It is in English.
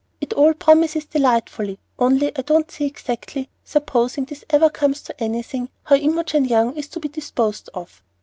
It all promises delightfully, only I don't see exactly, supposing this ever comes to anything, how Imogen Young is to be disposed of."